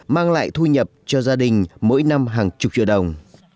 mang lại thu nhập cho gia đình mỗi năm hàng chục triệu đồng